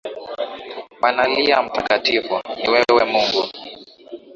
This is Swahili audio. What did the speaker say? Wanalia mtakatifu, ni wewe Mungu